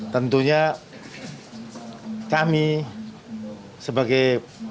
tentunya kami sebagai